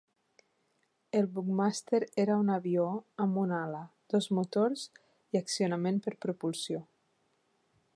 El Buckmaster era un avió amb un ala, dos motors i accionament per propulsió.